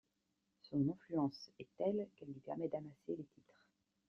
Son influence est telle qu'elle lui permet d'amasser les titres.